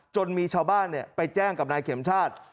จนมีชาวบ้านไปแจ้งกับนายเข็มชาติ